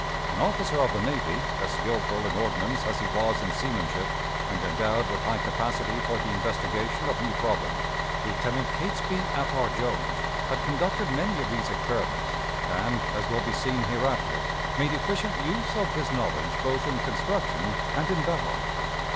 An officer of the navy, as skillful in ordnance as he was in seamanship, and endowed with high capacity for the investigation of new problems Lieutenant Catesby Ap R. Jones had conducted many of these experiments, and, as will be seen hereafter, made efficient use of his knowledge both in construction and in battle.